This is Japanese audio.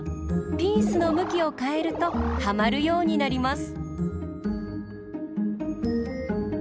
ピースのむきをかえるとはまるようになります。